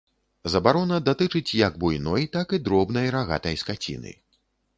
Забарона датычыць як буйной, так і дробнай рагатай скаціны.